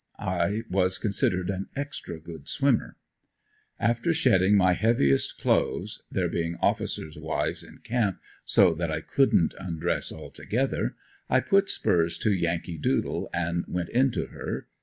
I was considered an extra good swimmer. After shedding my heaviest clothes there being officers' wives in camp, so that I couldn't undress altogether I put spurs to "Yankee doodle" and went into her.